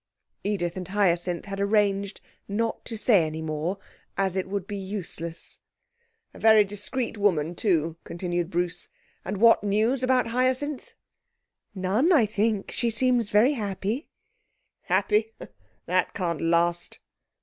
Edith and Hyacinth had arranged not to say any more, as it would be useless. 'A very discreet woman, too,' continued Bruce. 'And what news about Hyacinth?' 'None, I think. She seems very happy.' 'Happy! That can't last.'